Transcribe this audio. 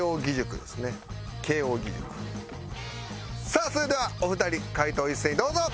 さあそれではお二人解答を一斉にどうぞ！